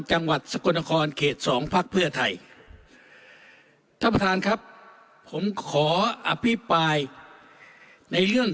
จังหวัดสกลนครเขตสองพักเพื่อไทยท่านประธานครับผมขออภิปรายในเรื่อง